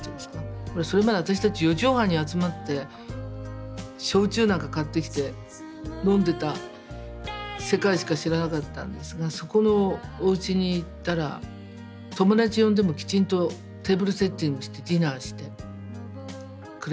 ほらそれまで私たち四畳半に集まって焼酎なんか買ってきて飲んでた世界しか知らなかったんですがそこのおうちに行ったら友達呼んでもきちんとテーブルセッティングしてディナーしてくれて。